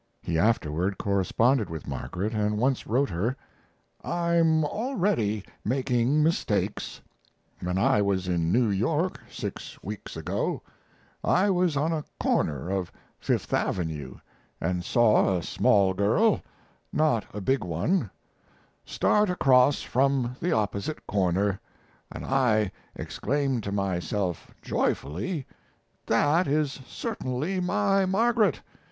He afterward corresponded with Margaret, and once wrote her: I'm already making mistakes. When I was in New York, six weeks ago, I was on a corner of Fifth Avenue and I saw a small girl not a big one start across from the opposite corner, and I exclaimed to myself joyfully, "That is certainly my Margaret!"